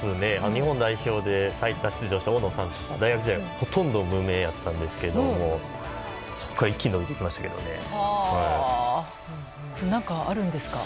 日本代表で最多出場した大野さんはほとんど無名だったんですけどそこから何かあるんですか？